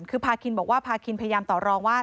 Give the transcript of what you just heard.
คือพาคินบอกว่าพาคินพยายามต่อรองว่า